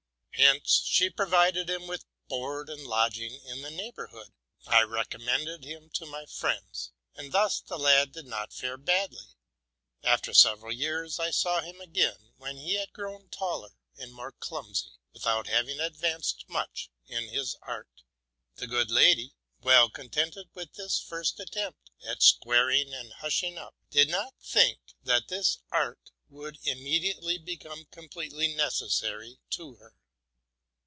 Hence she found him with board and lodging in the neighborhood. I recommended him to my friends, and thus the lad did not fare badly. After several years I saw him again, when he had grown taller and more clumsy, without having advanced much in his art. The good lady, well contented with this first attempt at squaring and hushing up, did not think that this art would immediately become completely necessary to her.